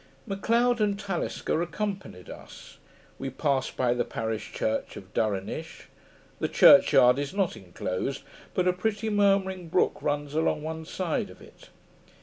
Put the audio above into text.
M'Leod and Talisker accompanied us. We passed by the parish church of Durinish. The church yard is not enclosed, but a pretty murmuring brook runs along one side of it.